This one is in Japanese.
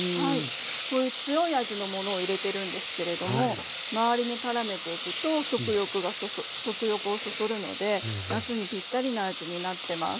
これ強い味のものを入れてるんですけれども周りにからめていくと食欲をそそるので夏にピッタリな味になってます。